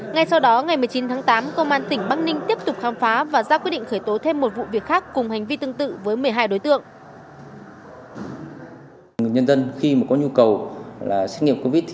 ngay sau đó ngày một mươi chín tháng tám công an tỉnh bắc ninh tiếp tục khám phá và ra quyết định khởi tố thêm một vụ việc khác cùng hành vi tương tự với một mươi hai đối tượng